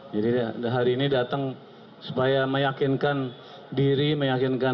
jadi hari ini datang supaya meyakinkan diri meyakinkan